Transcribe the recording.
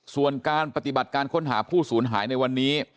ส่วนการปฏิบัติการค้นหาผู้สูญหายในวันนี้